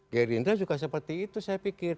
gerindra juga seperti itu saya pikir